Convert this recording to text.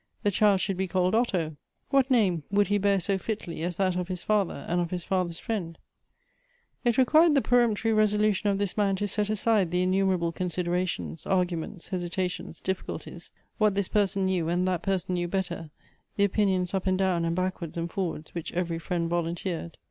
The child should be called Otto ; wh.at name would he bear so fitly as that of his father and of his father's friend ? It required the peremptory resolution of this man to set aside the innumerable considerations, arguments, hesi tations, difficulties ; what this person knew, and that per son knew better; the opinions, up and down, and back wards and forwards, which every friend volunteered.